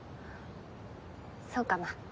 そうかな？